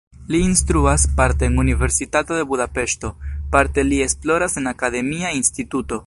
Li instruas parte en Universitato de Budapeŝto, parte li esploras en akademia instituto.